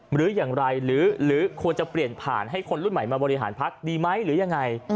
หรืออย่างไรหรือควรจะเปลี่ยนผ่านให้คนรุ่นใหม่มาบริหารพักดีไหมหรือยังไง